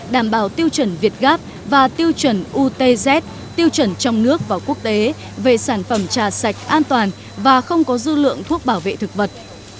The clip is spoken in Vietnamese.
đảm bảo tiêu chuẩn việt gáp và tiêu chuẩn utz tiêu chuẩn trong nước và quốc tế về sản phẩm trà sạch an toàn và không có dư lượng thuốc bảo vệ thực vật